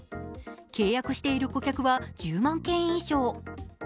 契約している顧客は１０万件以上。